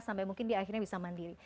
sampai mungkin dia akhirnya bisa mandiri